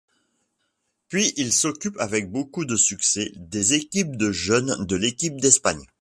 Puis il s'occupe avec beaucoup de succès des équipes de jeunes de l'équipe d'Espagne.